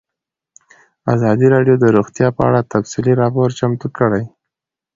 ازادي راډیو د روغتیا په اړه تفصیلي راپور چمتو کړی.